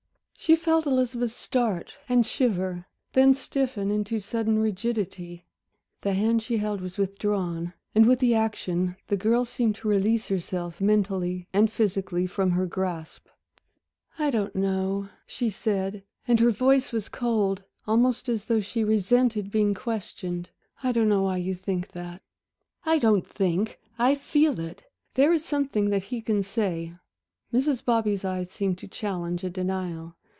She felt Elizabeth start and shiver; then stiffen into sudden rigidity. The hand she held was withdrawn, and with the action the girl seemed to release herself, mentally and physically, from her grasp. "I don't know," she said, and her voice was cold, almost as though she resented being questioned, "I don't know why you think that." "I don't think I feel it! There is something that he can say." Mrs. Bobby's eyes seemed to challenge a denial.